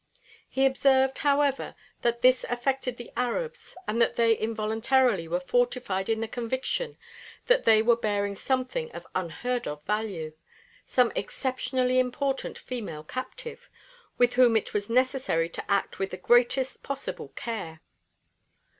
He observed, however, that this affected the Arabs and that they involuntarily were fortified in the conviction that they were bearing something of unheard of value, some exceptionally important female captive, with whom it was necessary to act with the greatest possible care.